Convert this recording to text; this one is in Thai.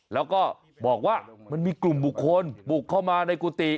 แล้วก็บอกว่ามันมีกลุ่มบุคคลบุกเข้ามาในกุฏิ